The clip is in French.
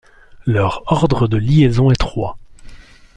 Leur ordre de liaison est trois.